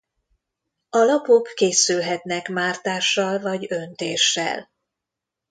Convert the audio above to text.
A lapok készülhetnek mártással vagy öntéssel.